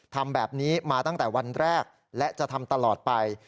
ทำแบบนี้มาตั้งแต่วันแรกและจะทำตลอดไป